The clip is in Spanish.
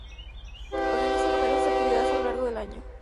Organiza numerosas actividades a lo largo del año.